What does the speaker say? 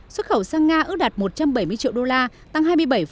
xuất khẩu sang nga ước đạt một trăm bảy mươi triệu đô la tăng hai mươi bảy